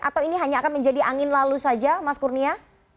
atau ini hanya akan menjadi angin lalu saja mas kurnia